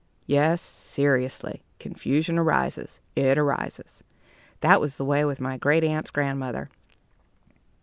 Yes, seriously, confusion arises. It arises. That was the way with my great aunt's grandmother.